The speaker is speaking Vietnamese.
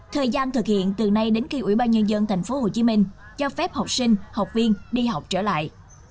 thời gian thực hiện từ nay đến khi ubnd tp hcm cho phép học sinh học viên đi học trở lại